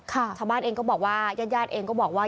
ชาวบ้านเองก็บอกว่าญาติญาติเองก็บอกว่า